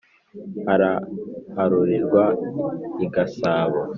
araharorerwa i gasabo.